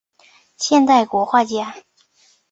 现代国画家。